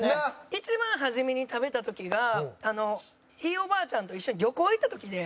一番初めに食べた時がひいおばあちゃんと一緒に旅行行った時で。